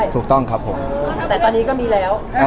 แต่ตอนนี้ก็มีแล้ว